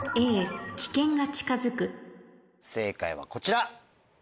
正解はこちら。